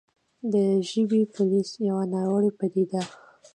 د «ژبې پولیس» يوه ناوړې پديده